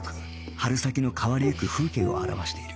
春先の変わりゆく風景を表している